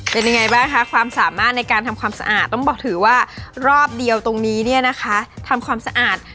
เป็นยังไงบ้างคะความสามารถในการทำความสะอาดต้องบอกถือว่ารอบเดียวตรงนี้เนี่ยนะคะทำความสะอาด